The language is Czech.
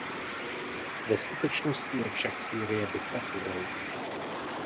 Ve skutečnosti je však Sýrie diktaturou.